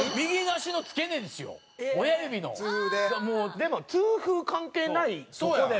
でも痛風関係ないとこで。